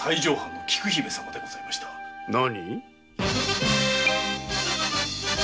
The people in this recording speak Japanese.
何！？